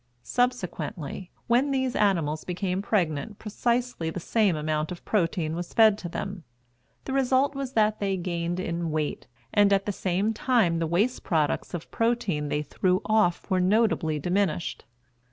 Subsequently, when these animals became pregnant precisely the same amount of protein was fed to them. The result was that they gained in weight, and at the same time the waste products of protein they threw off were notably diminished.